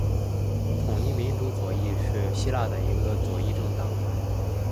统一民主左翼是希腊的一个左翼政党。